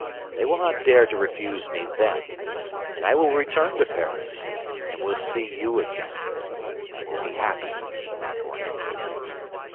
They will not dare to refuse me then; and I will return to Paris, and will see you again, and will be happy for an instant.